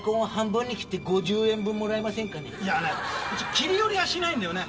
切り売りはしないんだよね。